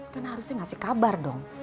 kan harusnya ngasih kabar dong